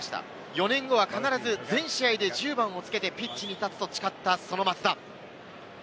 ４年後は必ず全試合で１０番をつけてピッチに立つと誓った、その松田。